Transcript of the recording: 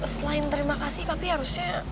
selain terima kasih tapi harusnya